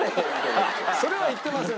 それは言ってません。